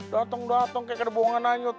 dateng dateng kayak ada bohongan lanjut